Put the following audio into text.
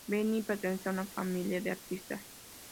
Benny pertenece a una familia de artistas.